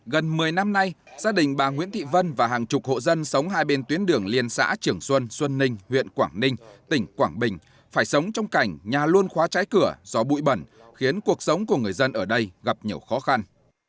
gần một mươi năm nay gia đình bà nguyễn thị vân và hàng chục hộ dân sống hai bên tuyến đường liên xã trường xuân xuân ninh huyện quảng ninh tỉnh quảng bình phải sống trong cảnh nhà luôn khóa trái cửa do bụi bẩn khiến cuộc sống của người dân ở đây gặp nhiều khó khăn